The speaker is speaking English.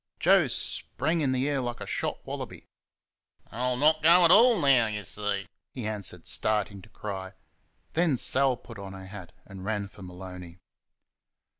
Joe sprang in the air like a shot wallaby. "I'll not go AT ALL now y' see!" he answered, starting to cry. Then Sal put on her hat and ran for Maloney.